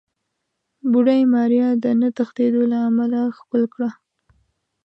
بوډۍ ماريا د نه تښتېدو له امله ښکل کړه.